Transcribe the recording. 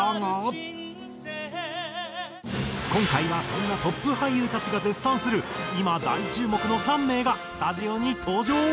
今回はそんなトップ俳優たちが絶賛する今大注目の３名がスタジオに登場！